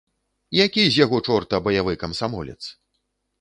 Які з яго чорта баявы камсамолец?